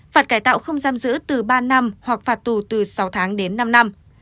phạt cải tạo không giam giữ từ ba năm hoặc phạt tù từ sáu tháng đến năm năm